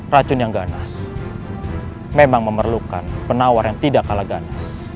racun yang ganas memang memerlukan penawar yang tidak kalah ganas